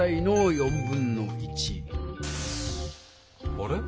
あれ？